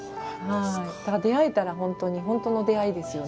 出会えたら本当の出会いですよね。